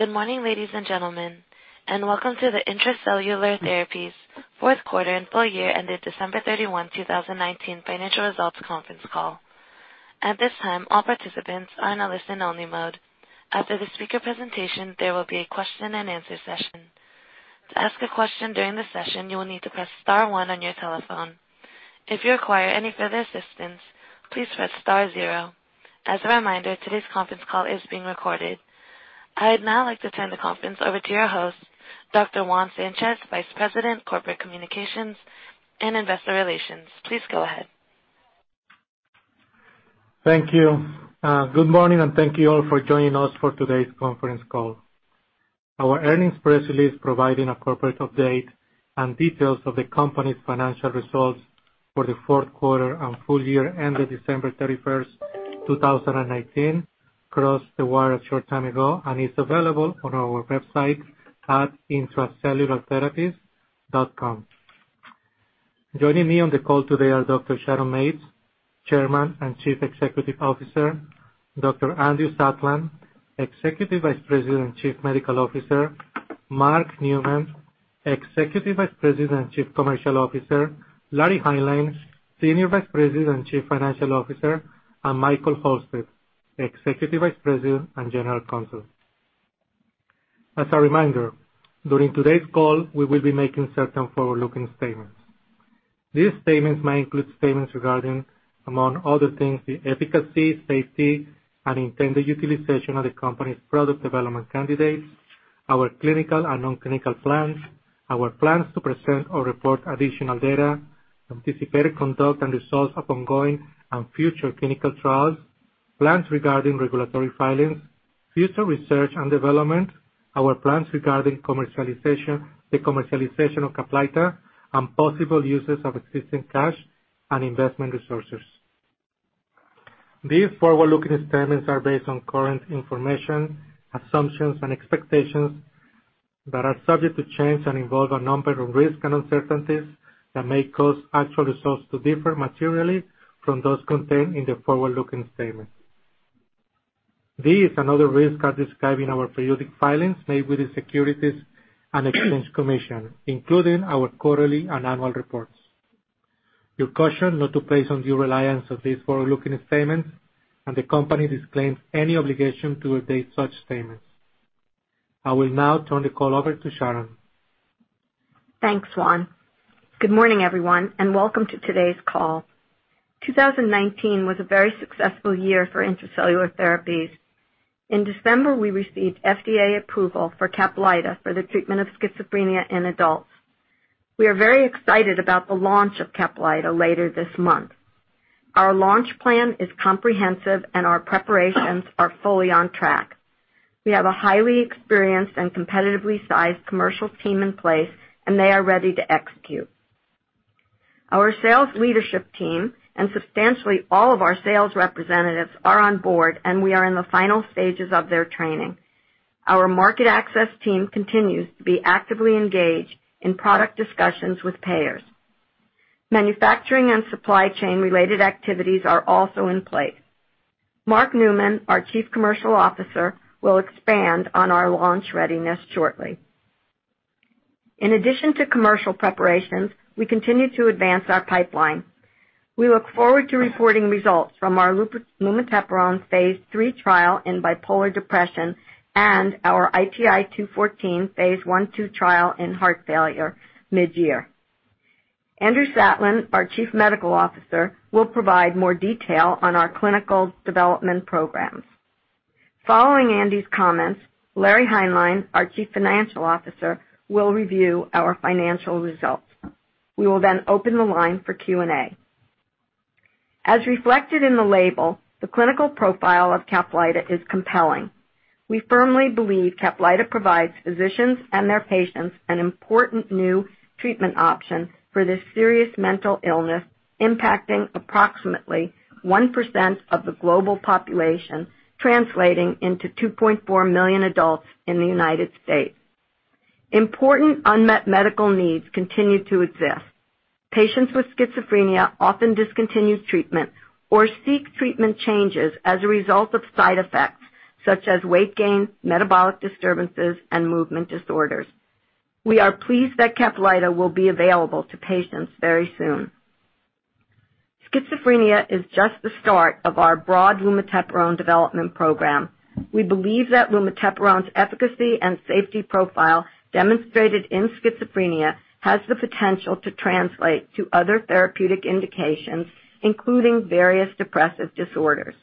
Good morning, ladies and gentlemen, and welcome to the Intra-Cellular Therapies fourth quarter and full year ended December 31, 2019 financial results conference call. At this time, all participants are in a listen-only mode. After the speaker presentation, there will be a question-and-answer session. To ask a question during the session, you will need to press star one on your telephone. If you require any further assistance, please press star zero. As a reminder, today's conference call is being recorded. I'd now like to turn the conference over to your host, Dr. Juan Sanchez, Vice President, Corporate Communications and Investor Relations. Please go ahead. Thank you. Good morning, and thank you all for joining us for today's conference call. Our earnings press release providing a corporate update and details of the company's financial results for the fourth quarter and full year ended December 31st, 2019 crossed the wire a short time ago and is available on our website at intracellulartherapies.com. Joining me on the call today are Dr. Sharon Mates, Chairman and Chief Executive Officer, Dr. Andy Satlin, Executive Vice President and Chief Medical Officer, Mark Neumann, Executive Vice President and Chief Commercial Officer, Larry Hineline, Senior Vice President and Chief Financial Officer, and Michael Halstead, Executive Vice President and General Counsel. As a reminder, during today's call, we will be making certain forward-looking statements. These statements may include statements regarding, among other things, the efficacy, safety, and intended utilization of the company's product development candidates, our clinical and non-clinical plans, our plans to present or report additional data, anticipated conduct and results of ongoing and future clinical trials, plans regarding regulatory filings, future research and development, our plans regarding commercialization, the commercialization of CAPLYTA, and possible uses of existing cash and investment resources. These forward-looking statements are based on current information, assumptions, and expectations that are subject to change and involve a number of risks and uncertainties that may cause actual results to differ materially from those contained in the forward-looking statements. These and other risks are described in our periodic filings made with the Securities and Exchange Commission, including our quarterly and annual reports. You're cautioned not to place undue reliance on these forward-looking statements, and the company disclaims any obligation to update such statements. I will now turn the call over to Sharon. Thanks, Juan. Good morning, everyone, and welcome to today's call. 2019 was a very successful year for Intra-Cellular Therapies. In December, we received FDA approval for CAPLYTA for the treatment of schizophrenia in adults. We are very excited about the launch of CAPLYTA later this month. Our launch plan is comprehensive, and our preparations are fully on track. We have a highly experienced and competitively sized commercial team in place, and they are ready to execute. Our sales leadership team and substantially all of our sales representatives are on board, and we are in the final stages of their training. Our market access team continues to be actively engaged in product discussions with payers. Manufacturing and supply chain related activities are also in place. Mark Neumann, our Chief Commercial Officer, will expand on our launch readiness shortly. In addition to commercial preparations, we continue to advance our pipeline. We look forward to reporting results from our lumateperone phase III trial in bipolar depression and our ITI-214 phase I/II trial in heart failure mid-year. Andrew Satlin, our Chief Medical Officer, will provide more detail on our clinical development programs. Following Andy's comments, Larry Hineline, our Chief Financial Officer, will review our financial results. We will then open the line for Q&A. As reflected in the label, the clinical profile of CAPLYTA is compelling. We firmly believe CAPLYTA provides physicians and their patients an important new treatment option for this serious mental illness, impacting approximately 1% of the global population, translating into 2.4 million adults in the United States. Important unmet medical needs continue to exist. Patients with schizophrenia often discontinue treatment or seek treatment changes as a result of side effects such as weight gain, metabolic disturbances, and movement disorders. We are pleased that CAPLYTA will be available to patients very soon. Schizophrenia is just the start of our broad lumateperone development program. We believe that lumateperone's efficacy and safety profile demonstrated in schizophrenia has the potential to translate to other therapeutic indications, including various depressive disorders.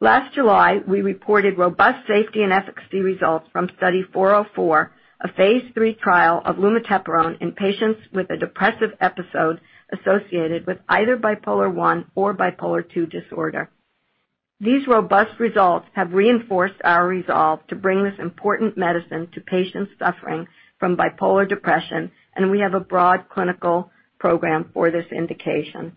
Last July, we reported robust safety and efficacy results from Study 404, a phase III trial of lumateperone in patients with a depressive episode associated with either Bipolar I or Bipolar II disorder. These robust results have reinforced our resolve to bring this important medicine to patients suffering from bipolar depression. We have a broad clinical program for this indication.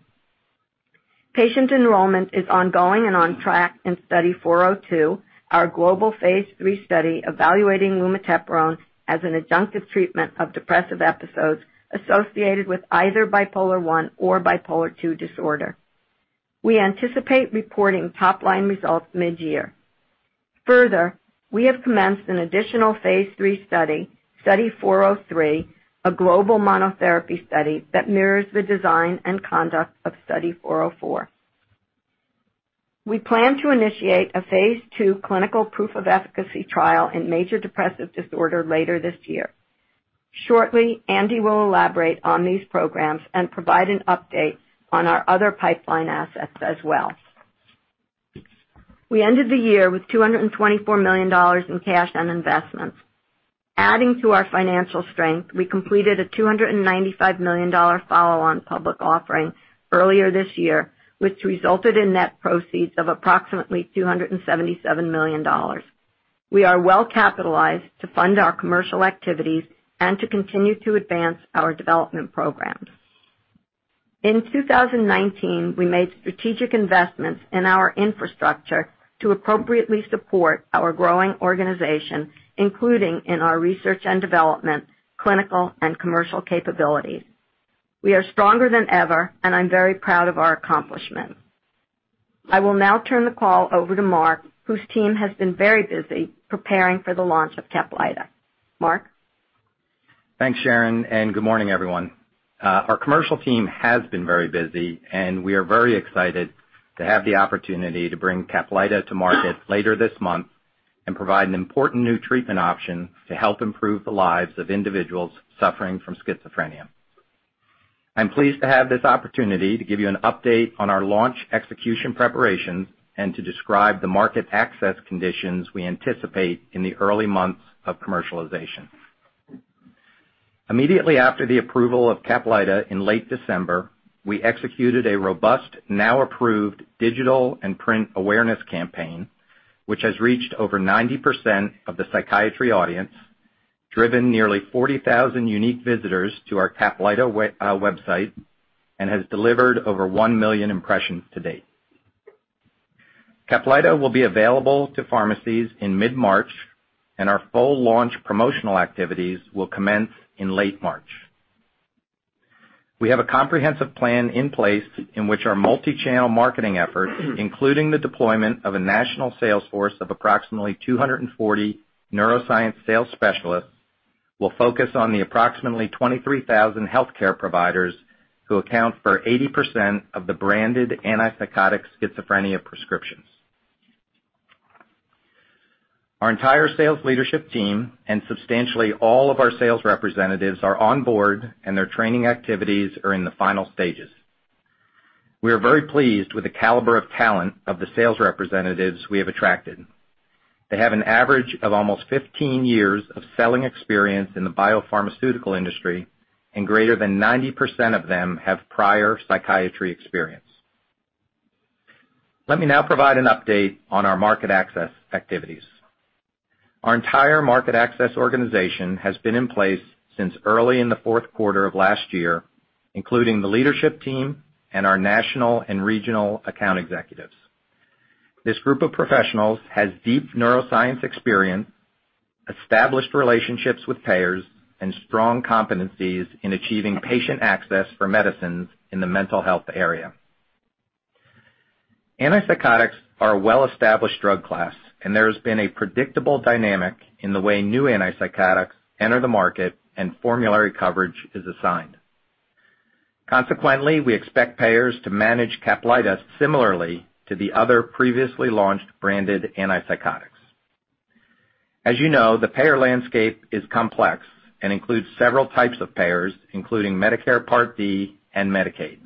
Patient enrollment is ongoing and on track in Study 402, our global phase III study evaluating lumateperone as an adjunctive treatment of depressive episodes associated with either Bipolar I or Bipolar II disorder. We anticipate reporting top-line results mid-year. Further, we have commenced an additional phase III study, Study 403, a global monotherapy study that mirrors the design and conduct of Study 404. We plan to initiate a phase II clinical proof of efficacy trial in major depressive disorder later this year. Shortly, Andy will elaborate on these programs and provide an update on our other pipeline assets as well. We ended the year with $224 million in cash and investments. Adding to our financial strength, we completed a $295 million follow-on public offering earlier this year, which resulted in net proceeds of approximately $277 million. We are well-capitalized to fund our commercial activities and to continue to advance our development programs. In 2019, we made strategic investments in our infrastructure to appropriately support our growing organization, including in our research and development, clinical and commercial capabilities. We are stronger than ever, and I'm very proud of our accomplishments. I will now turn the call over to Mark, whose team has been very busy preparing for the launch of CAPLYTA. Mark? Thanks, Sharon. Good morning, everyone. Our commercial team has been very busy, and we are very excited to have the opportunity to bring CAPLYTA to market later this month and provide an important new treatment option to help improve the lives of individuals suffering from schizophrenia. I'm pleased to have this opportunity to give you an update on our launch execution preparations and to describe the market access conditions we anticipate in the early months of commercialization. Immediately after the approval of CAPLYTA in late December, we executed a robust, now approved digital and print awareness campaign, which has reached over 90% of the psychiatry audience, driven nearly 40,000 unique visitors to our CAPLYTA website and has delivered over 1 million impressions to date. CAPLYTA will be available to pharmacies in mid-March, and our full launch promotional activities will commence in late March. We have a comprehensive plan in place in which our multi-channel marketing efforts, including the deployment of a national sales force of approximately 240 neuroscience sales specialists, will focus on the approximately 23,000 healthcare providers who account for 80% of the branded antipsychotic schizophrenia prescriptions. Our entire sales leadership team and substantially all of our sales representatives are on board, and their training activities are in the final stages. We are very pleased with the caliber of talent of the sales representatives we have attracted. They have an average of almost 15 years of selling experience in the biopharmaceutical industry, and greater than 90% of them have prior psychiatry experience. Let me now provide an update on our market access activities. Our entire market access organization has been in place since early in the fourth quarter of last year, including the leadership team and our national and regional account executives. This group of professionals has deep neuroscience experience, established relationships with payers, and strong competencies in achieving patient access for medicines in the mental health area. Antipsychotics are a well-established drug class, and there has been a predictable dynamic in the way new antipsychotics enter the market and formulary coverage is assigned. Consequently, we expect payers to manage CAPLYTA similarly to the other previously launched branded antipsychotics. As you know, the payer landscape is complex and includes several types of payers, including Medicare Part D and Medicaid.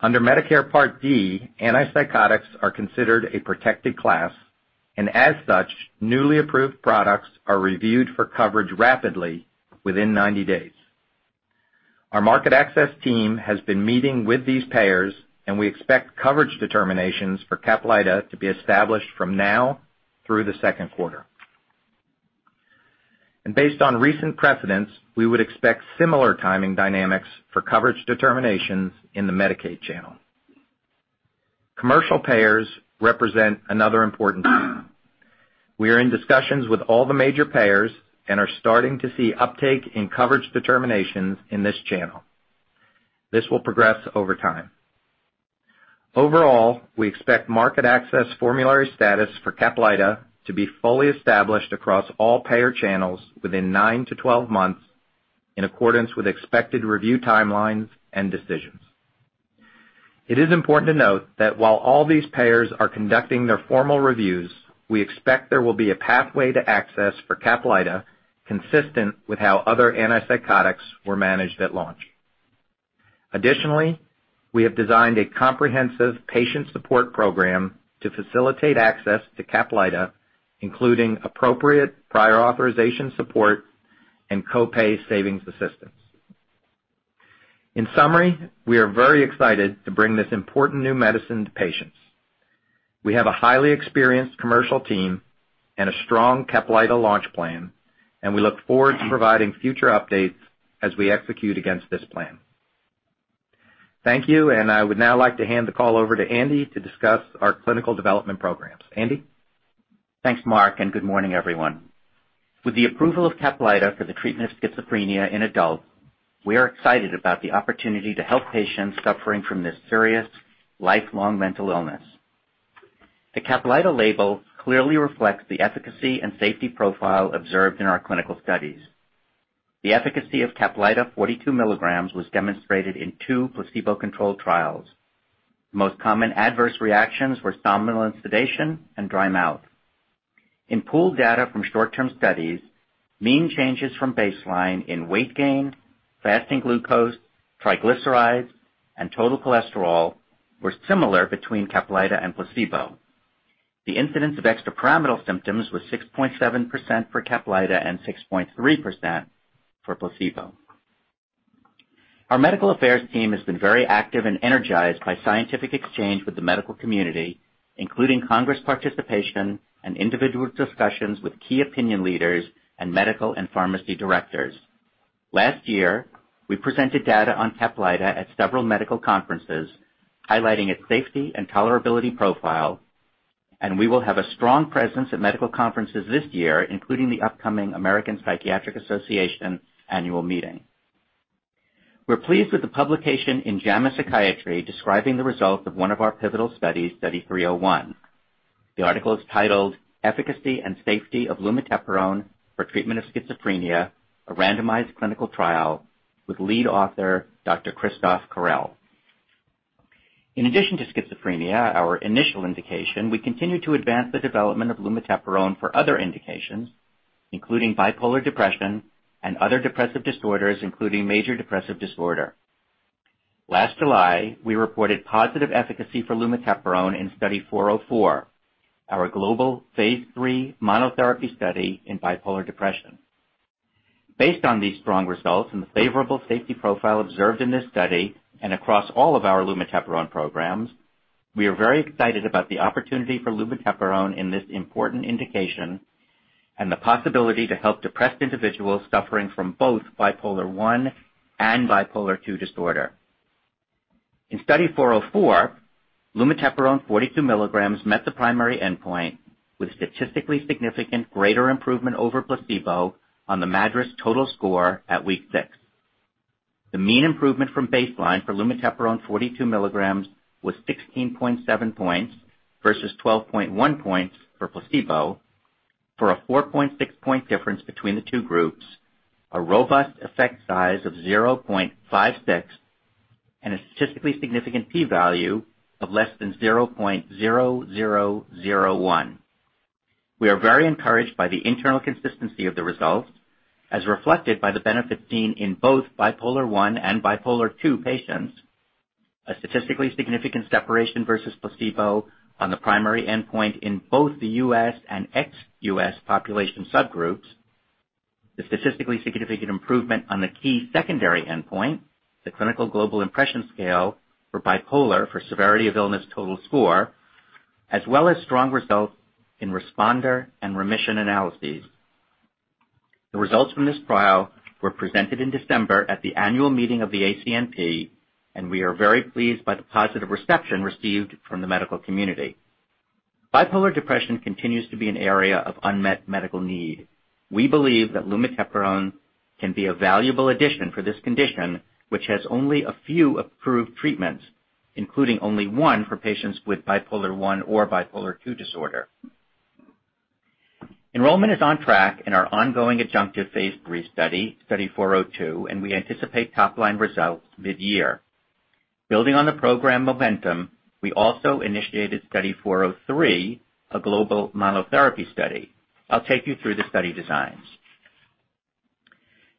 Under Medicare Part D, antipsychotics are considered a protected class, and as such, newly approved products are reviewed for coverage rapidly within 90 days. Our market access team has been meeting with these payers, and we expect coverage determinations for CAPLYTA to be established from now through the second quarter. Based on recent precedents, we would expect similar timing dynamics for coverage determinations in the Medicaid channel. Commercial payers represent another important. We are in discussions with all the major payers and are starting to see uptake in coverage determinations in this channel. This will progress over time. Overall, we expect market access formulary status for CAPLYTA to be fully established across all payer channels within 9-12 months in accordance with expected review timelines and decisions. It is important to note that while all these payers are conducting their formal reviews, we expect there will be a pathway to access for CAPLYTA consistent with how other antipsychotics were managed at launch. Additionally, we have designed a comprehensive patient support program to facilitate access to CAPLYTA, including appropriate prior authorization support and co-pay savings assistance. In summary, we are very excited to bring this important new medicine to patients. We have a highly experienced commercial team and a strong CAPLYTA launch plan, and we look forward to providing future updates as we execute against this plan. Thank you. I would now like to hand the call over to Andy to discuss our clinical development programs. Andy? Thanks, Mark, good morning, everyone. With the approval of CAPLYTA for the treatment of schizophrenia in adults, we are excited about the opportunity to help patients suffering from this serious, lifelong mental illness. The CAPLYTA label clearly reflects the efficacy and safety profile observed in our clinical studies. The efficacy of CAPLYTA 42 mg was demonstrated in two placebo-controlled trials. The most common adverse reactions were somnolence, sedation, and dry mouth. In pooled data from short-term studies, mean changes from baseline in weight gain, fasting glucose, triglycerides, and total cholesterol were similar between CAPLYTA and placebo. The incidence of extrapyramidal symptoms was 6.7% for CAPLYTA and 6.3% for placebo. Our medical affairs team has been very active and energized by scientific exchange with the medical community, including congress participation and individual discussions with key opinion leaders and medical and pharmacy directors. Last year, we presented data on CAPLYTA at several medical conferences highlighting its safety and tolerability profile. We will have a strong presence at medical conferences this year, including the upcoming American Psychiatric Association annual meeting. We're pleased with the publication in JAMA Psychiatry describing the results of one of our pivotal studies, Study 301. The article is titled "Efficacy and Safety of lumateperone for Treatment of Schizophrenia: A Randomized Clinical Trial," with lead author Dr. Christoph Correll. In addition to schizophrenia, our initial indication, we continue to advance the development of lumateperone for other indications, including bipolar depression and other depressive disorders, including major depressive disorder. Last July, we reported positive efficacy for lumateperone in Study 404, our global phase III monotherapy study in bipolar depression. Based on these strong results and the favorable safety profile observed in this study and across all of our lumateperone programs, we are very excited about the opportunity for lumateperone in this important indication and the possibility to help depressed individuals suffering from both Bipolar I and Bipolar II disorder. In Study 404, lumateperone 42 mg met the primary endpoint with statistically significant greater improvement over placebo on the MADRS total score at week six. The mean improvement from baseline for lumateperone 42 mg was 16.7 points versus 12.1 points for placebo for a 4.6 point difference between the two groups, a robust effect size of 0.56 and a statistically significant p-value of less than 0.0001. We are very encouraged by the internal consistency of the results as reflected by the benefits seen in both Bipolar I and Bipolar II patients, a statistically significant separation versus placebo on the primary endpoint in both the U.S. and ex-U.S. population subgroups, the statistically significant improvement on the key secondary endpoint, the Clinical Global Impression Scale for Bipolar for Severity of Illness total score, as well as strong results in responder and remission analyses. The results from this trial were presented in December at the annual meeting of the ACNP, and we are very pleased by the positive reception received from the medical community. Bipolar depression continues to be an area of unmet medical need. We believe that lumateperone can be a valuable addition for this condition, which has only a few approved treatments, including only one for patients with Bipolar I or Bipolar II disorder. Enrollment is on track in our ongoing adjunctive phase III study, Study 402, and we anticipate top-line results mid-year. Building on the program momentum, we also initiated Study 403, a global monotherapy study. I'll take you through the study designs.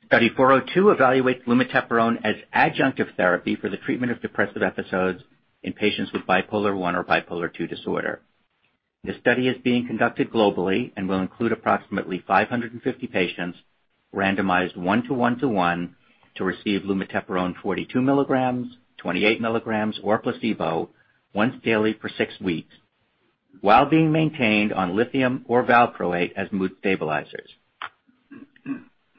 Study 402 evaluates lumateperone as adjunctive therapy for the treatment of depressive episodes in patients with Bipolar I or Bipolar II disorder. The study is being conducted globally and will include approximately 550 patients randomized 1:1:1 to receive lumateperone 42 mg, 28 mg, or placebo once daily for six weeks while being maintained on lithium or valproate as mood stabilizers.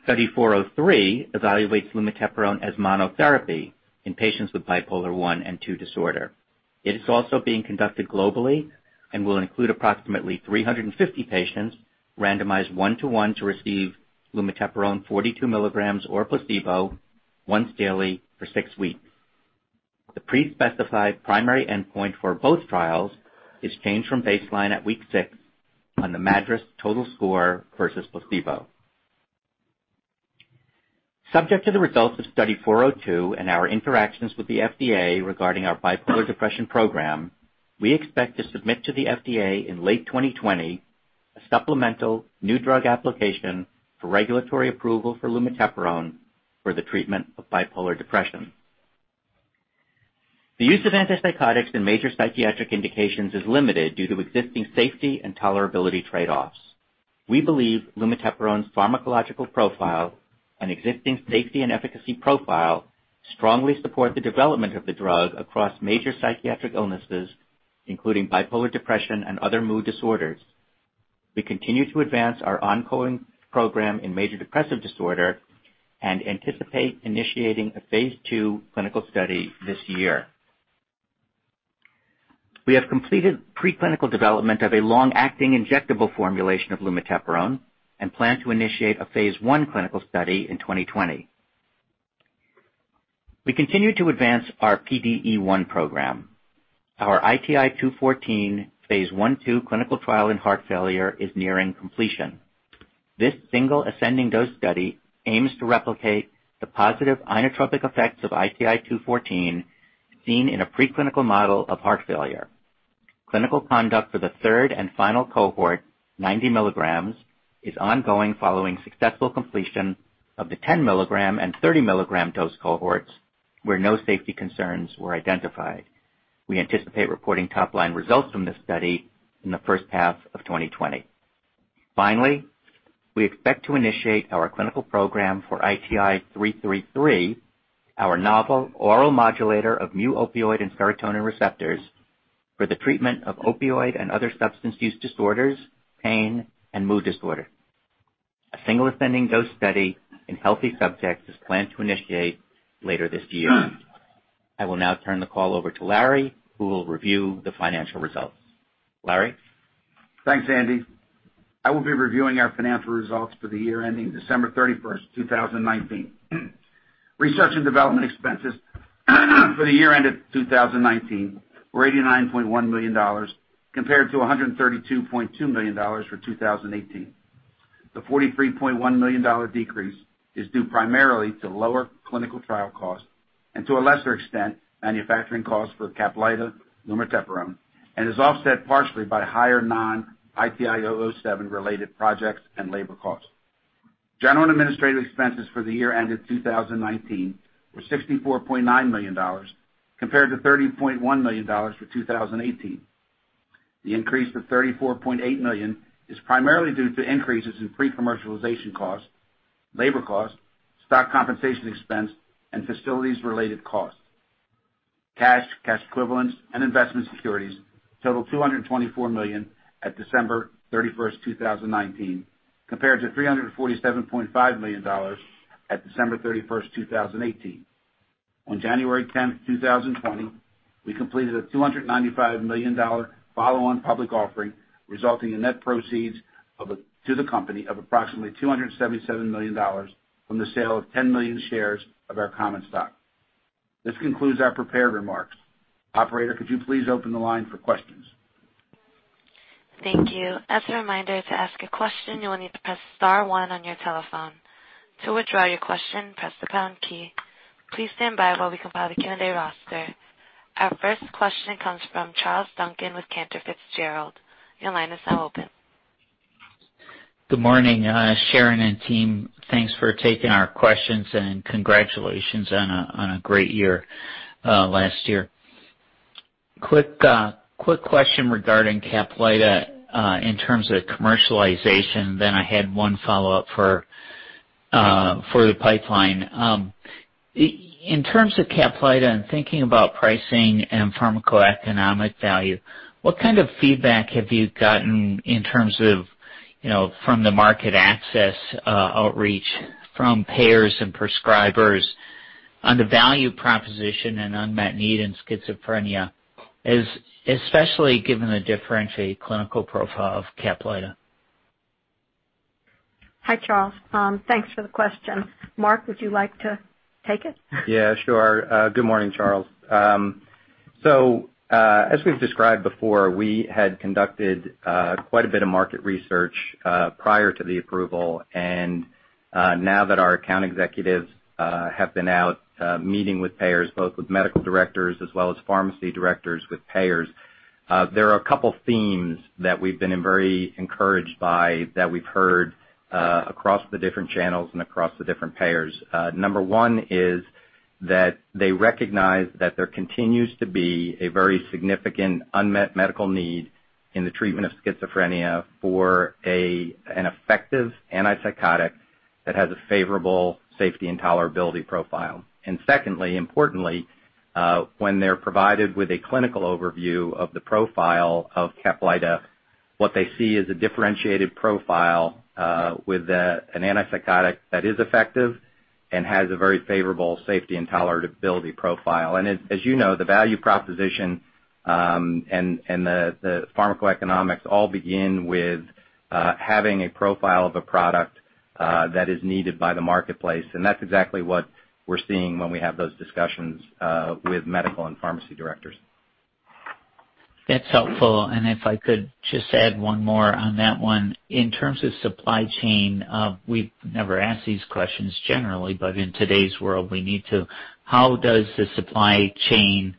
Study 403 evaluates lumateperone as monotherapy in patients with Bipolar I and II disorder. It is also being conducted globally and will include approximately 350 patients randomized 1:1 to receive lumateperone 42 mg or placebo once daily for six weeks. The pre-specified primary endpoint for both trials is change from baseline at week six on the MADRS total score versus placebo. Subject to the results of Study 402 and our interactions with the FDA regarding our bipolar depression program, we expect to submit to the FDA in late 2020 a supplemental new drug application for regulatory approval for lumateperone for the treatment of bipolar depression. The use of antipsychotics in major psychiatric indications is limited due to existing safety and tolerability trade-offs. We believe lumateperone's pharmacological profile and existing safety and efficacy profile strongly support the development of the drug across major psychiatric illnesses, including bipolar depression and other mood disorders. We continue to advance our ongoing program in major depressive disorder and anticipate initiating a phase II clinical study this year. We have completed preclinical development of a long-acting injectable formulation of lumateperone and plan to initiate a phase I clinical study in 2020. We continue to advance our PDE1 program. Our ITI-214 phase I/II clinical trial in heart failure is nearing completion. This single ascending dose study aims to replicate the positive inotropic effects of ITI-214 seen in a preclinical model of heart failure. Clinical conduct for the third and final cohort, 90 mg, is ongoing following successful completion of the 10 mg and 30 mg dose cohorts, where no safety concerns were identified. We anticipate reporting top-line results from this study in the first half of 2020. Finally, we expect to initiate our clinical program for ITI-333, our novel oral modulator of mu-opioid and serotonin receptors for the treatment of opioid and other substance use disorders, pain, and mood disorder. A single ascending dose study in healthy subjects is planned to initiate later this year. I will now turn the call over to Larry, who will review the financial results. Larry? Thanks, Andy. I will be reviewing our financial results for the year ending December 31st, 2019. Research and development expenses for the year ended 2019 were $89.1 million compared to $132.2 million for 2018. The $43.1 million decrease is due primarily to lower clinical trial costs, and to a lesser extent, manufacturing costs for CAPLYTA lumateperone, and is offset partially by higher non-ITI-007 related projects and labor costs. General and administrative expenses for the year ended 2019 were $64.9 million, compared to $30.1 million for 2018. The increase of $34.8 million is primarily due to increases in pre-commercialization costs, labor costs, stock compensation expense, and facilities related costs. Cash, cash equivalents, and investment securities total $224 million at December 31st, 2019 compared to $347.5 million at December 31st, 2018. On January 10th, 2020, we completed a $295 million follow-on public offering, resulting in net proceeds to the company of approximately $277 million from the sale of 10 million shares of our common stock. This concludes our prepared remarks. Operator, could you please open the line for questions? Thank you. As a reminder, to ask a question, you will need to press star one on your telephone. To withdraw your question, press the pound key. Please stand by while we compile the Q&A roster. Our first question comes from Charles Duncan with Cantor Fitzgerald. Your line is now open. Good morning, Sharon and team. Thanks for taking our questions. Congratulations on a great year last year. Quick question regarding CAPLYTA in terms of commercialization. Then I had one follow-up for the pipeline. In terms of CAPLYTA and thinking about pricing and pharmacoeconomic value, what kind of feedback have you gotten in terms of from the market access outreach from payers and prescribers on the value proposition and unmet need in schizophrenia, especially given the differentiated clinical profile of CAPLYTA? Hi, Charles. Thanks for the question. Mark, would you like to take it? Yeah, sure. Good morning, Charles. As we've described before, we had conducted quite a bit of market research prior to the approval. Now that our account executives have been out meeting with payers, both with medical directors as well as pharmacy directors with payers, there are a couple themes that we've been very encouraged by that we've heard across the different channels and across the different payers. Number one is that they recognize that there continues to be a very significant unmet medical need in the treatment of schizophrenia for an effective antipsychotic that has a favorable safety and tolerability profile. Secondly, importantly, when they're provided with a clinical overview of the profile of CAPLYTA, what they see is a differentiated profile with an antipsychotic that is effective and has a very favorable safety and tolerability profile. As you know, the value proposition and the pharmacoeconomics all begin with having a profile of a product that is needed by the marketplace. That's exactly what we're seeing when we have those discussions with medical and pharmacy directors. That's helpful. If I could just add one more on that one. In terms of supply chain, we've never asked these questions generally, but in today's world, we need to. How does the supply chain,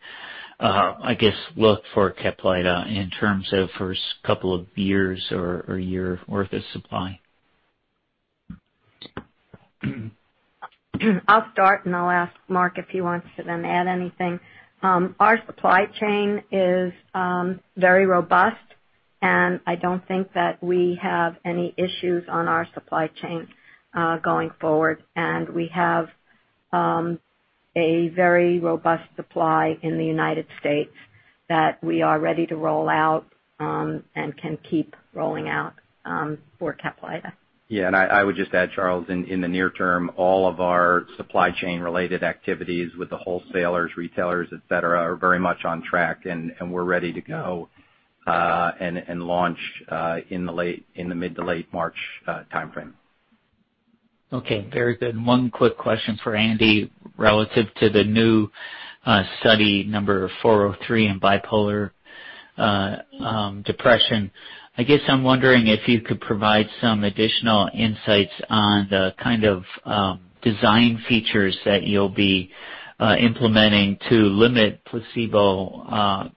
I guess, look for CAPLYTA in terms of first couple of years or year worth of supply? I'll start, and I'll ask Mark if he wants to then add anything. Our supply chain is very robust, and I don't think that we have any issues on our supply chain going forward. We have a very robust supply in the United States that we are ready to roll out and can keep rolling out for CAPLYTA. Yeah, I would just add, Charles, in the near term, all of our supply chain related activities with the wholesalers, retailers, et cetera, are very much on track and we're ready to go. Launch in the mid to late March timeframe. Okay, very good. One quick question for Andy, relative to the new Study 403 in bipolar depression. I guess I'm wondering if you could provide some additional insights on the kind of design features that you'll be implementing to limit placebo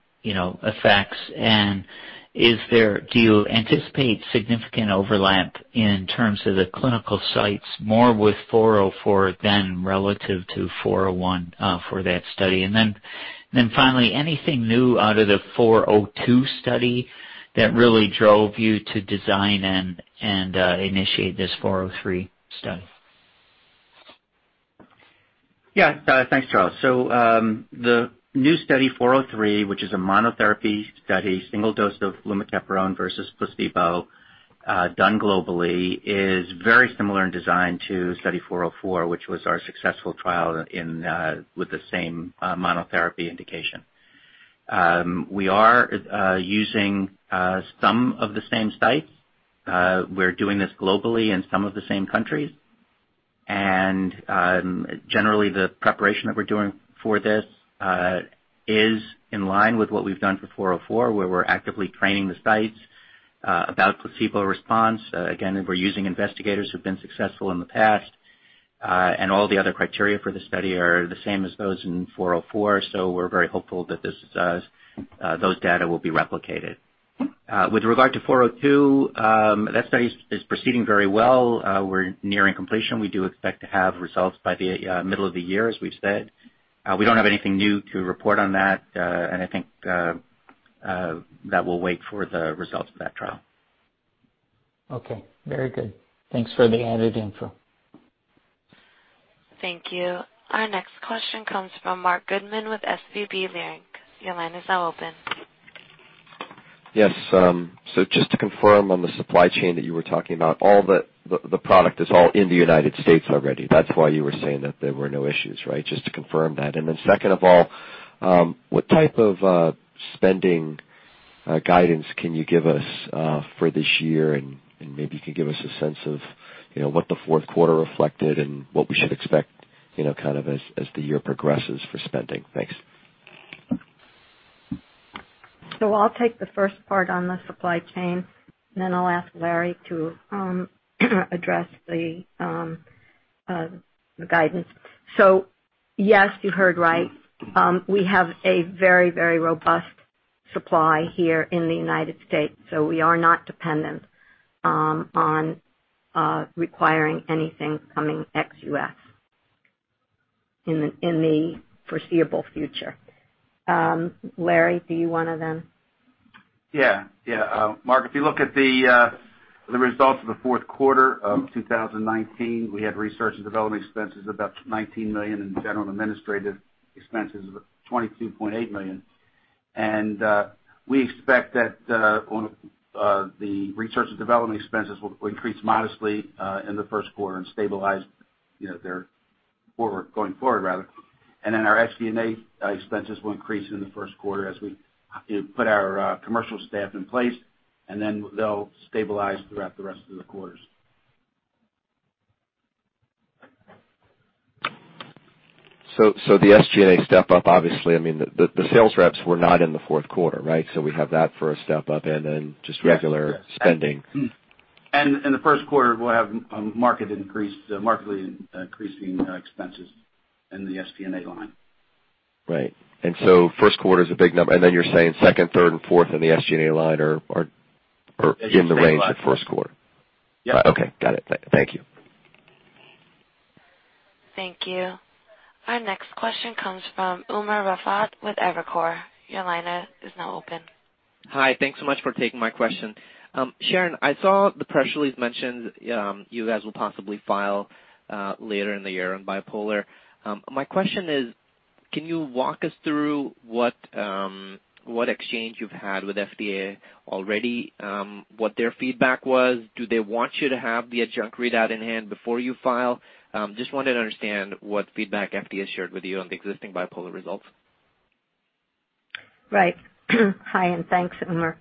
effects. Do you anticipate significant overlap in terms of the clinical sites, more with Study 404 than relative to Study 401 for that study? Then finally, anything new out of the Study 402 that really drove you to design and initiate this Study 403? Thanks, Charles. The new Study 403, which is a monotherapy study, single dose of lumateperone versus placebo, done globally, is very similar in design to Study 404, which was our successful trial with the same monotherapy indication. We are using some of the same sites. We're doing this globally in some of the same countries. Generally, the preparation that we're doing for this is in line with what we've done for Study 404, where we're actively training the sites about placebo response. Again, we're using investigators who've been successful in the past. All the other criteria for the study are the same as those in Study 404, we're very hopeful that those data will be replicated. With regard to Study 402, that study is proceeding very well. We're nearing completion. We do expect to have results by the middle of the year, as we've said. We don't have anything new to report on that. I think that we'll wait for the results of that trial. Okay. Very good. Thanks for the added info. Thank you. Our next question comes from Marc Goodman with SVB Leerink. Your line is now open. Yes. Just to confirm on the supply chain that you were talking about, all the product is all in the United States already. That's why you were saying that there were no issues, right? Just to confirm that? Then second of all, what type of spending guidance can you give us for this year? Maybe you can give us a sense of what the fourth quarter reflected and what we should expect, kind of as the year progresses for spending. Thanks. I'll take the first part on the supply chain, and then I'll ask Larry to address the guidance. Yes, you heard right. We have a very, very robust supply here in the United States. We are not dependent on requiring anything coming ex-U.S. in the foreseeable future. Larry, do you want to then? Yeah. Marc, if you look at the results of the fourth quarter of 2019, we had research and development expenses of about $19 million and general administrative expenses of $22.8 million. We expect that the research and development expenses will increase modestly in the first quarter and stabilize going forward. Then our SG&A expenses will increase in the first quarter as we put our commercial staff in place, then they'll stabilize throughout the rest of the quarters. The SG&A step up, obviously, the sales reps were not in the fourth quarter, right? We have that for a step up and then just regular spending. Mm. In the first quarter, we'll have markedly increasing expenses in the SG&A line. Right. First quarter is a big number. You're saying second, third, and fourth in the SG&A line are in the range of first quarter. Yeah. Okay. Got it. Thank you. Thank you. Our next question comes from Umer Raffat with Evercore. Your line is now open. Hi. Thanks so much for taking my question. Sharon, I saw the press release mention you guys will possibly file later in the year on bipolar. My question is, can you walk us through what exchange you've had with FDA already, what their feedback was? Do they want you to have the adjunct readout in hand before you file? Just wanted to understand what feedback FDA shared with you on the existing bipolar results. Right. Hi, thanks, Umer.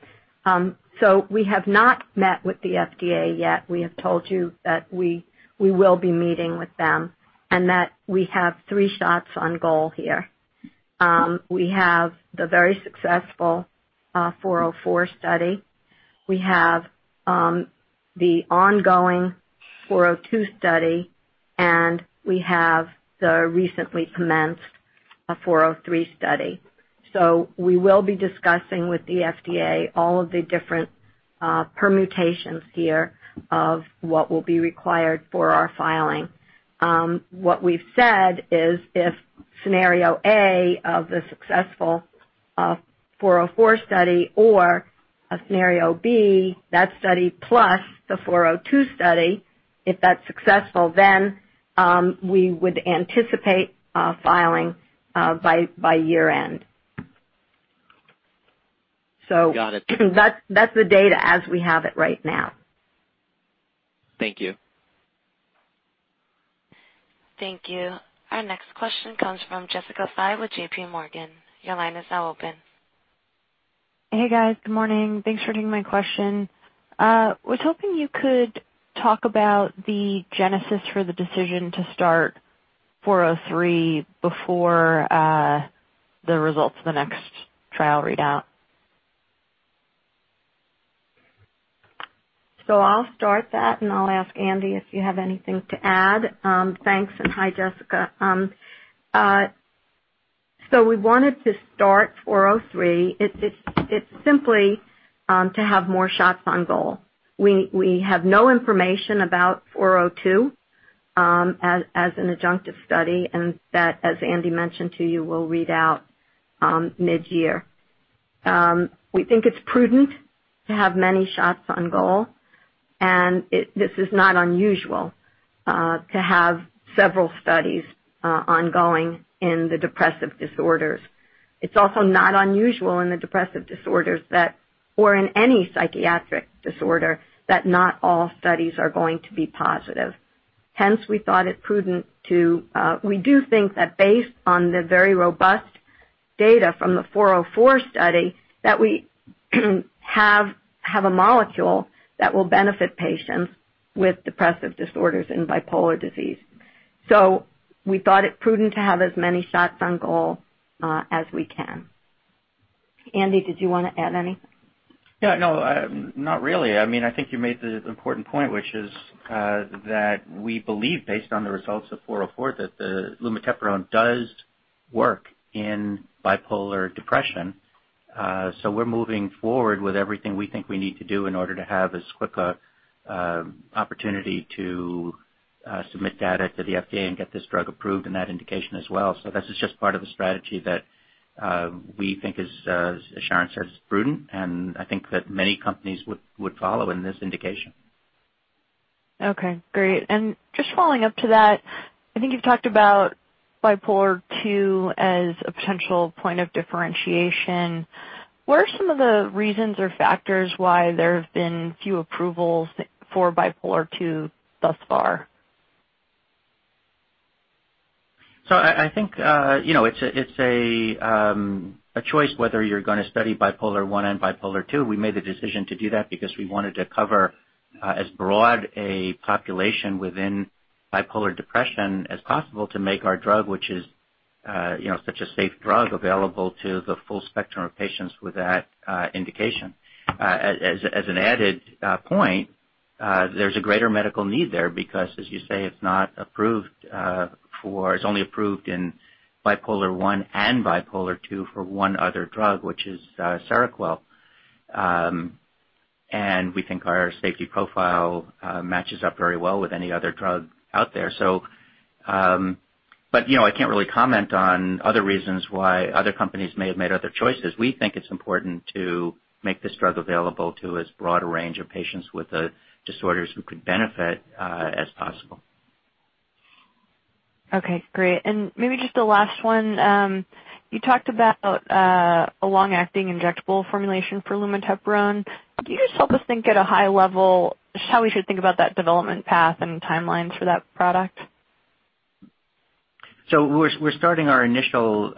We have not met with the FDA yet. We have told you that we will be meeting with them, and that we have three shots on goal here. We have the very successful Study 404. We have the ongoing Study 402, and we have the recently commenced Study 403. We will be discussing with the FDA all of the different permutations here of what will be required for our filing. What we've said is if scenario A of the successful Study 404 or a scenario B, that Study plus the Study 402, if that's successful, then we would anticipate filing by year end. Got it. That's the data as we have it right now. Thank you. Thank you. Our next question comes from Jessica Fye with JPMorgan. Your line is now open. Hey, guys. Good morning. Thanks for taking my question. I was hoping you could talk about the genesis for the decision to start Study 403 before the results of the next trial readout. I'll start that, and I'll ask Andy if you have anything to add. Thanks, and hi, Jessica. We wanted to start Study 403. It's simply to have more shots on goal. We have no information about Study 402 as an adjunctive study, and that, as Andy mentioned to you, will read out mid-year. We think it's prudent to have many shots on goal, and this is not unusual to have several studies ongoing in the depressive disorders. It's also not unusual in the depressive disorders that, or in any psychiatric disorder, that not all studies are going to be positive. Hence, we thought it prudent. We do think that based on the very robust data from the Study 404, that we have a molecule that will benefit patients with depressive disorders and bipolar disease. We thought it prudent to have as many shots on goal as we can. Andy, did you want to add anything? No, not really. I mean think you made the important point, which is that we believe based on the results of Study 404, that the lumateperone does work in bipolar depression. We're moving forward with everything we think we need to do in order to have as quick an opportunity to submit data to the FDA and get this drug approved in that indication as well. This is just part of the strategy that we think is, as Sharon said, is prudent, and I think that many companies would follow in this indication. Okay, great. Just following up to that, I think you've talked about Bipolar II as a potential point of differentiation. What are some of the reasons or factors why there have been few approvals for Bipolar II thus far? I think it's a choice whether you're going to study Bipolar I and Bipolar II. We made the decision to do that because we wanted to cover as broad a population within bipolar depression as possible to make our drug, which is such a safe drug, available to the full spectrum of patients with that indication. As an added point, there's a greater medical need there because, as you say, it's only approved in Bipolar I and Bipolar II for one other drug, which is Seroquel. We think our safety profile matches up very well with any other drug out there. I can't really comment on other reasons why other companies may have made other choices. We think it's important to make this drug available to as broad a range of patients with the disorders who could benefit as possible. Okay, great. Maybe just a last one. You talked about a long-acting injectable formulation for lumateperone. Can you just help us think at a high level how we should think about that development path and timelines for that product? We're starting our initial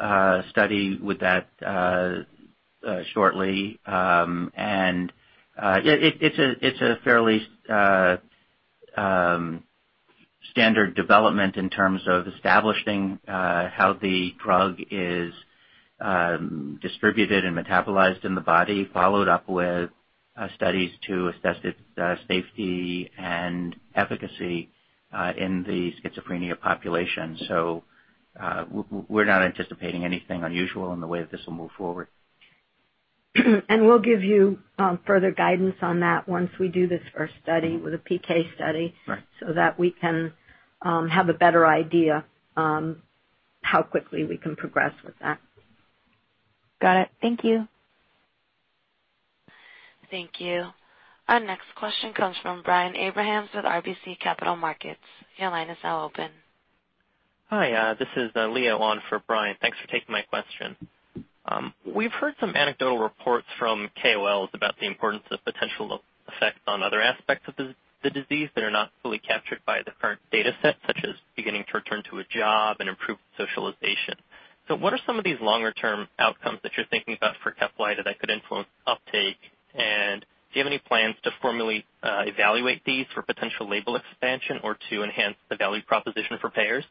study with that shortly. Yeah. It's a fairly standard development in terms of establishing how the drug is distributed and metabolized in the body, followed up with studies to assess its safety and efficacy in the schizophrenia population. We're not anticipating anything unusual in the way that this will move forward. We'll give you further guidance on that once we do this first study with a PK study. Right. That we can have a better idea how quickly we can progress with that. Got it. Thank you. Thank you. Our next question comes from Brian Abrahams with RBC Capital Markets. Your line is now open. Hi, this is Leo on for Brian. Thanks for taking my question. We've heard some anecdotal reports from KOLs about the importance of potential effects on other aspects of the disease that are not fully captured by the current data set, such as beginning to return to a job and improved socialization. What are some of these longer-term outcomes that you're thinking about for CAPLYTA that could influence uptake? Do you have any plans to formally evaluate these for potential label expansion or to enhance the value proposition for payers?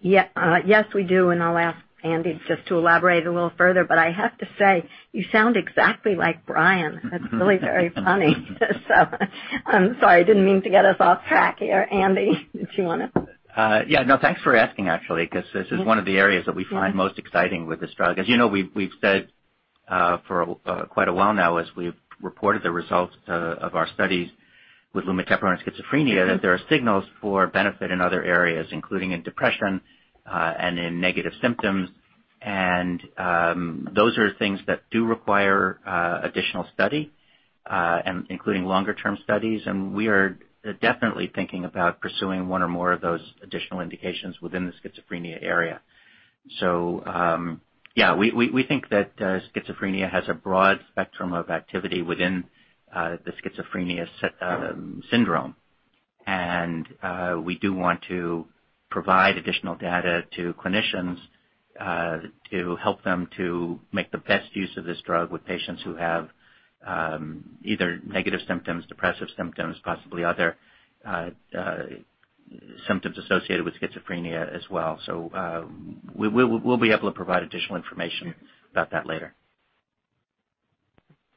Yes, we do. I'll ask Andy just to elaborate a little further. I have to say, you sound exactly like Brian. That's really very funny. I'm sorry, didn't mean to get us off track here. Andy, did you want to? Yeah, no, thanks for asking, actually, because this is one of the areas that we find most exciting with this drug. As you know, we've said for quite a while now, as we've reported the results of our studies with lumateperone schizophrenia, that there are signals for benefit in other areas, including in depression and in negative symptoms. Those are things that do require additional study, including longer-term studies. We are definitely thinking about pursuing one or more of those additional indications within the schizophrenia area. Yeah, we think that schizophrenia has a broad spectrum of activity within the schizophrenia syndrome. We do want to provide additional data to clinicians to help them to make the best use of this drug with patients who have either negative symptoms, depressive symptoms, possibly other symptoms associated with schizophrenia as well. We'll be able to provide additional information about that later.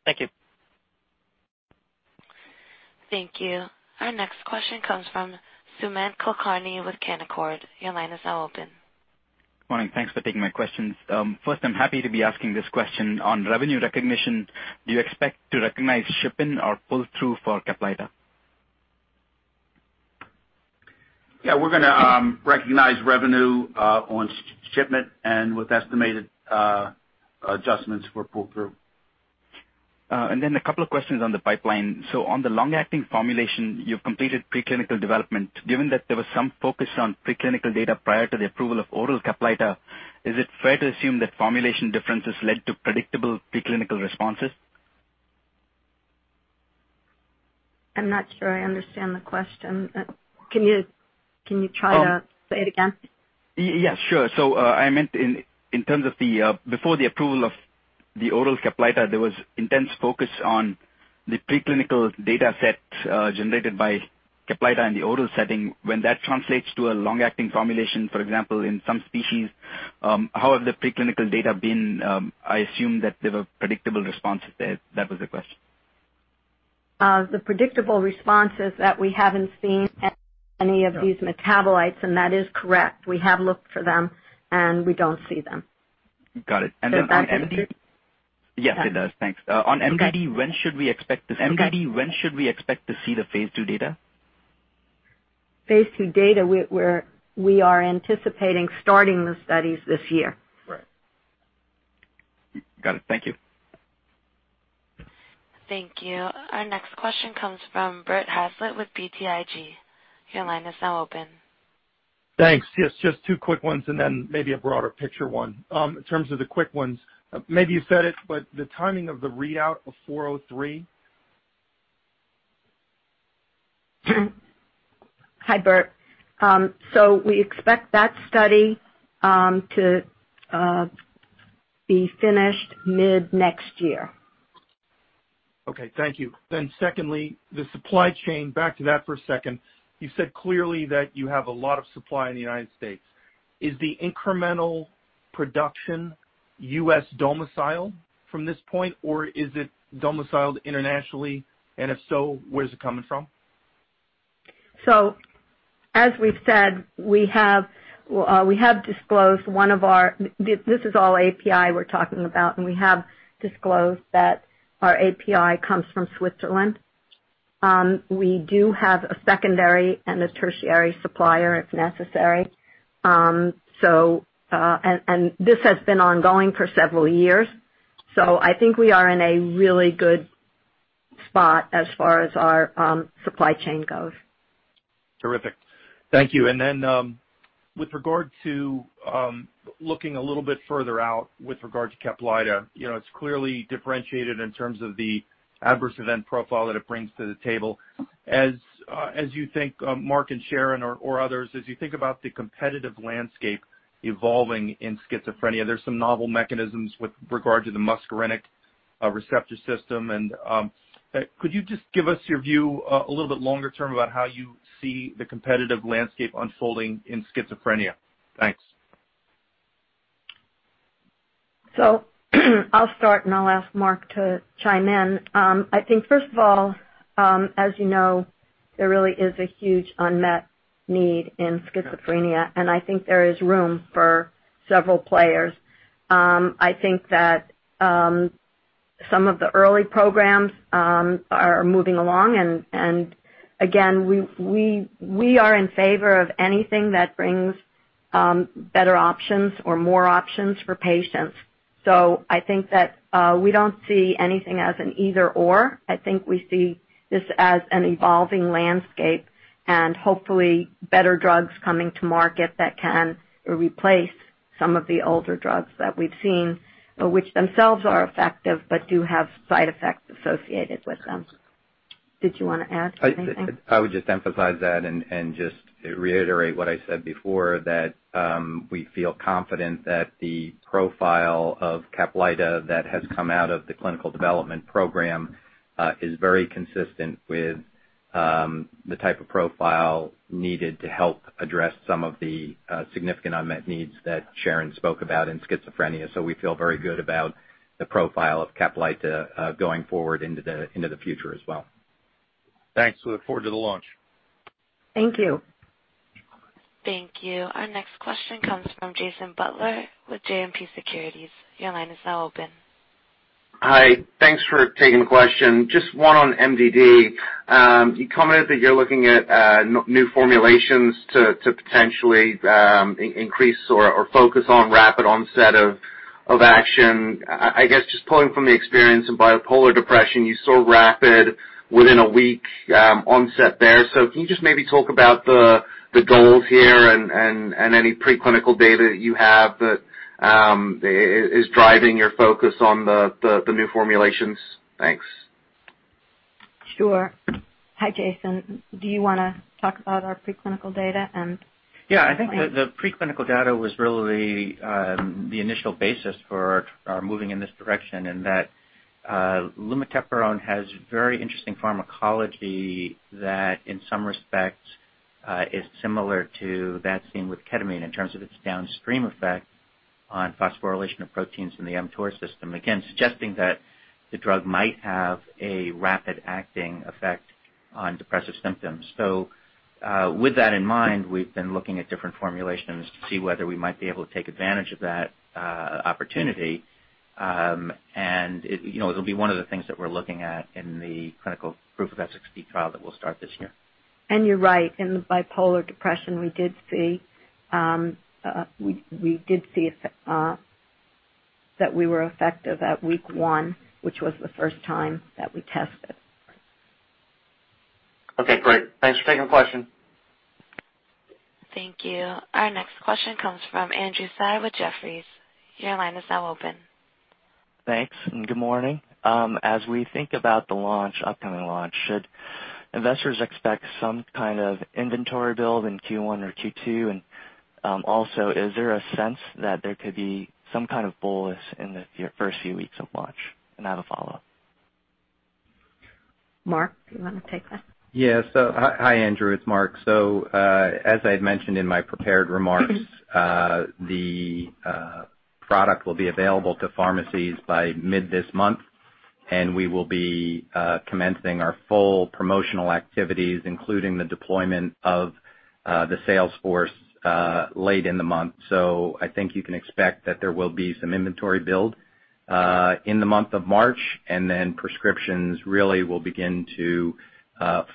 Thank you. Thank you. Our next question comes from Sumant Kulkarni with Canaccord. Your line is now open. Good morning. Thanks for taking my questions. First, I'm happy to be asking this question on revenue recognition. Do you expect to recognize shipping or pull through for CAPLYTA? Yeah, we're going to recognize revenue on shipment and with estimated adjustments for pull through. Then a couple of questions on the pipeline. On the long-acting formulation, you've completed pre-clinical development. Given that there was some focus on pre-clinical data prior to the approval of oral CAPLYTA, is it fair to assume that formulation differences led to predictable pre-clinical responses? I'm not sure I understand the question. Can you try to say it again? Yeah, sure. I meant in terms of before the approval of the oral CAPLYTA, there was intense focus on the pre-clinical data set generated by CAPLYTA in the oral setting. When that translates to a long-acting formulation, for example, in some species, how have the pre-clinical data been? I assume that there were predictable responses there. That was the question. The predictable responses that we haven't seen any of these metabolites, and that is correct. We have looked for them, and we don't see them. Got it. Does that answer? Yes, it does. Thanks. Okay. On MDD, when should we expect to see the phase II data? Phase II data, we are anticipating starting the studies this year. Right. Got it. Thank you. Thank you. Our next question comes from Bert Hazlett with BTIG. Your line is now open. Thanks. Yes, just two quick ones and then maybe a broader picture one. In terms of the quick ones, maybe you said it, but the timing of the readout of Study 403? Hi, Bert. We expect that study to be finished mid-next year. Okay. Thank you. Secondly, the supply chain, back to that for a second. You said clearly that you have a lot of supply in the United States. Is the incremental production U.S. domiciled from this point, or is it domiciled internationally? If so, where is it coming from? As we've said, we have disclosed this is all API we're talking about, and we have disclosed that our API comes from Switzerland. We do have a secondary and a tertiary supplier if necessary. This has been ongoing for several years, so I think we are in a really good spot as far as our supply chain goes. Terrific. Thank you. With regard to looking a little bit further out with regard to CAPLYTA. It's clearly differentiated in terms of the adverse event profile that it brings to the table. As you think, Mark and Sharon or others, as you think about the competitive landscape evolving in schizophrenia, there's some novel mechanisms with regard to the muscarinic receptor system. Could you just give us your view a little bit longer term about how you see the competitive landscape unfolding in schizophrenia? Thanks. I'll start, and I'll ask Mark to chime in. I think first of all, as you know, there really is a huge unmet need in schizophrenia, and I think there is room for several players. I think that some of the early programs are moving along, and again, we are in favor of anything that brings better options or more options for patients. I think that we don't see anything as an either/or. I think we see this as an evolving landscape and hopefully better drugs coming to market that can replace some of the older drugs that we've seen, which themselves are effective, but do have side effects associated with them. Did you want to add anything? I would just emphasize that and just reiterate what I said before, that we feel confident that the profile of CAPLYTA that has come out of the clinical development program is very consistent with the type of profile needed to help address some of the significant unmet needs that Sharon spoke about in schizophrenia. We feel very good about the profile of CAPLYTA going forward into the future as well. Thanks. We look forward to the launch. Thank you. Thank you. Our next question comes from Jason Butler with JMP Securities. Your line is now open. Hi. Thanks for taking the question. Just one on MDD. You commented that you're looking at new formulations to potentially increase or focus on rapid onset of action. I guess just pulling from the experience in bipolar depression, you saw rapid, within a week, onset there. Can you just maybe talk about the goals here and any pre-clinical data that you have that is driving your focus on the new formulations? Thanks. Sure. Hi, Jason. Do you want to talk about our pre-clinical data, Andy? Yeah, I think the pre-clinical data was really the initial basis for our moving in this direction in that lumateperone has very interesting pharmacology that in some respects, is similar to that seen with ketamine in terms of its downstream effect on phosphorylation of proteins in the mTOR system. Again, suggesting that the drug might have a rapid-acting effect on depressive symptoms. With that in mind, we've been looking at different formulations to see whether we might be able to take advantage of that opportunity. It'll be one of the things that we're looking at in the clinical proof of efficacy trial that we'll start this year. You're right. In the bipolar depression, we did see that we were effective at week one, which was the first time that we tested. Okay, great. Thanks for taking the question. Thank you. Our next question comes from Andrew Tsai with Jefferies. Your line is now open. Thanks, and good morning. As we think about the upcoming launch, should investors expect some kind of inventory build in Q1 or Q2? Also, is there a sense that there could be some kind of bolus in the first few weeks of launch? And I have a follow-up. Mark, do you want to take that? Hi, Andrew, it's Mark. As I had mentioned in my prepared remarks, the product will be available to pharmacies by mid this month, and we will be commencing our full promotional activities, including the deployment of the sales force, late in the month. I think you can expect that there will be some inventory build, in the month of March, and then prescriptions really will begin to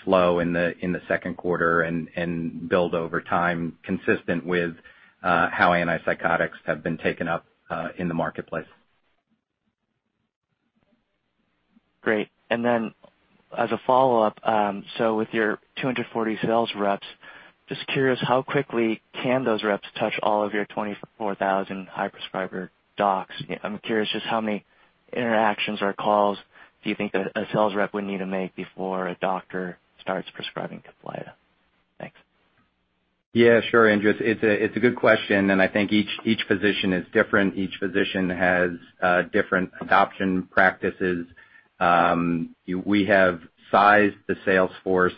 flow in the second quarter and build over time consistent with how antipsychotics have been taken up in the marketplace. Great. As a follow-up, so with your 240 sales reps, just curious how quickly can those reps touch all of your 24,000 high prescriber docs? I'm curious just how many interactions or calls do you think a sales rep would need to make before a doctor starts prescribing CAPLYTA? Thanks. Yeah. Sure, Andrew. It's a good question, and I think each physician is different. Each physician has different adoption practices. We have sized the sales force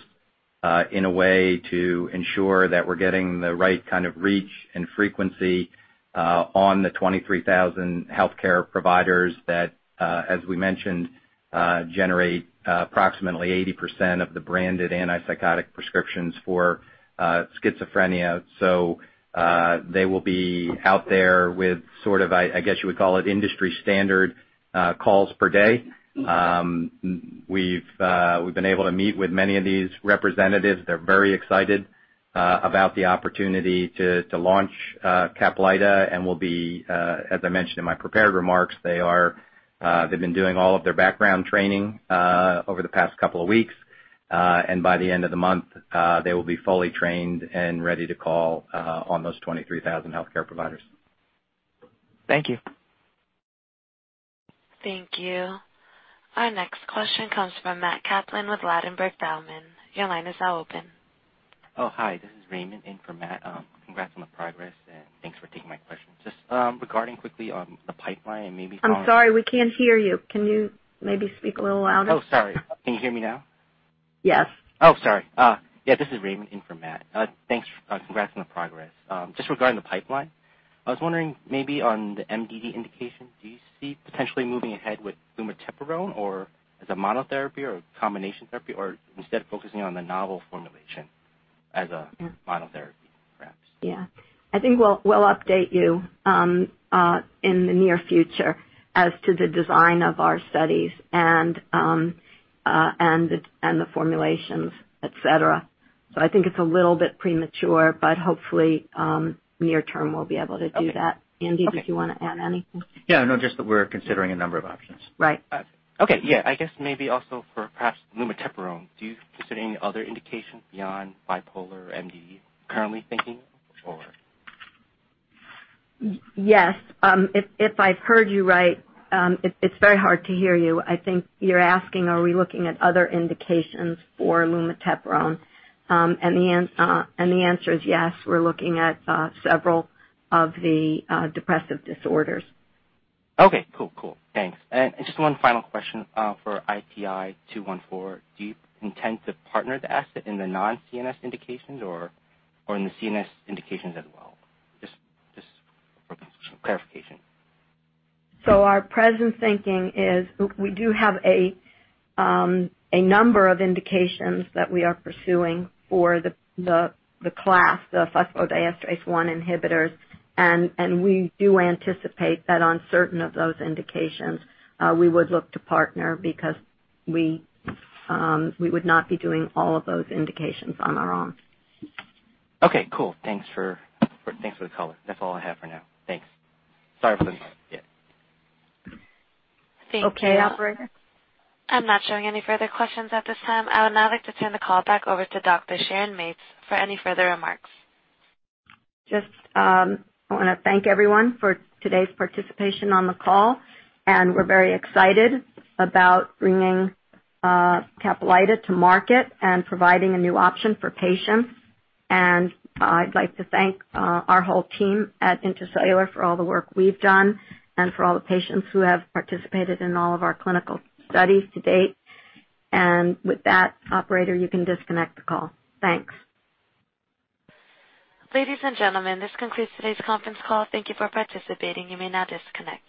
in a way to ensure that we're getting the right kind of reach and frequency on the 23,000 healthcare providers that, as we mentioned, generate approximately 80% of the branded antipsychotic prescriptions for schizophrenia. They will be out there with sort of, I guess you would call it industry standard calls per day. We've been able to meet with many of these representatives. They're very excited about the opportunity to launch CAPLYTA and will be, as I mentioned in my prepared remarks, they've been doing all of their background training over the past couple of weeks. By the end of the month, they will be fully trained and ready to call on those 23,000 healthcare providers. Thank you. Thank you. Our next question comes from Matt Kaplan with Ladenburg Thalmann. Your line is now open. Oh, hi. This is Raymond in for Matt. Congrats on the progress, and thanks for taking my question. Just regarding with the pipeline. I'm sorry, we can't hear you. Can you maybe speak a little louder? Oh, sorry. Can you hear me now? Yes. Oh, sorry. Yeah, this is Raymond in for Matt. Congrats on the progress. Just regarding the pipeline, I was wondering maybe on the MDD indication, do you see potentially moving ahead with lumateperone or as a monotherapy or a combination therapy or instead of focusing on the novel formulation as a monotherapy perhaps? Yeah. I think we'll update you in the near future as to the design of our studies and the formulations, et cetera. I think it's a little bit premature, but hopefully, near term we'll be able to do that. Okay. Andy, did you want to add anything? Yeah, no, just that we're considering a number of options. Right. Okay. Yeah, I guess maybe also for perhaps lumateperone, do you consider any other indications beyond bipolar, MDD currently thinking or? Yes. If I've heard you right, it's very hard to hear you. I think you're asking, are we looking at other indications for lumateperone? The answer is yes, we're looking at several of the depressive disorders. Okay, cool. Thanks. Just one final question for ITI-214. Do you intend to partner the asset in the non-CNS indications or in the CNS indications as well? Just for clarification. Our present thinking is we do have a number of indications that we are pursuing for the class, the phosphodiesterase 1 inhibitors, and we do anticipate that on certain of those indications, we would look to partner because we would not be doing all of those indications on our own. Okay, cool. Thanks for the call. That's all I have for now. Thanks. Sorry for the. Yeah. Okay. Operator? I'm not showing any further questions at this time. I would now like to turn the call back over to Dr. Sharon Mates for any further remarks. Just I want to thank everyone for today's participation on the call. We're very excited about bringing CAPLYTA to market and providing a new option for patients. I'd like to thank our whole team at Intra-Cellular for all the work we've done and for all the patients who have participated in all of our clinical studies to date. With that, operator, you can disconnect the call. Thanks. Ladies and gentlemen, this concludes today's conference call. Thank you for participating. You may now disconnect.